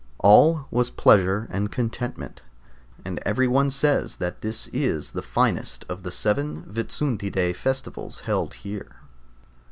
All was pleasure and contentment, and every one says that this is the finest of the seven Whitsuntide festivals held here.